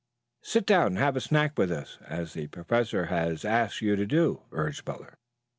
Sit down and have a snack with us, as the Professor has asked you to do," urged Butler.